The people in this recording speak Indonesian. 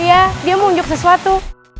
iya dia mau unjuk sesuatu